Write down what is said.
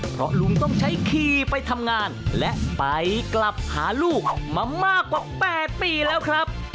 เพราะลุงต้องใช้ขี่ไปทำงานและไปกลับหาลูกมามากกว่า๘ปีแล้วครับ